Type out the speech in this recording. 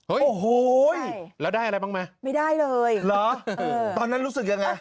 โอ้โหแล้วได้อะไรบ้างไหมไม่ได้เลยเหรอตอนนั้นรู้สึกยังไง